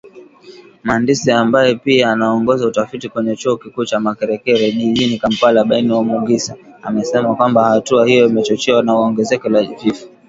Mhandisi ambaye pia anaongoza utafiti kwenye chuo kikuu cha Makerere jijini Kampala Bain Omugisa amesema kwamba hatua hiyo imechochewa na ongezeko la vifo